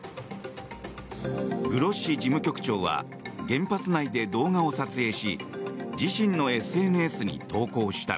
グロッシ事務局長は原発内で動画を撮影し自身のＳＮＳに投稿した。